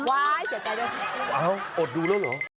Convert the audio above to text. ว้าวอดูแล้วหรอ